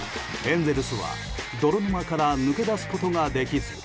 エンゼルスは泥沼から抜け出すことができず。